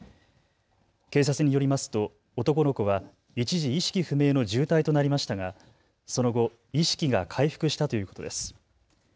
警察によりますと男の子は一時、意識不明の重体となりましたがその後、意識が回復したということです。